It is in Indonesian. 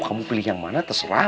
kamu pilih yang mana terserah